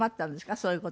どういう事？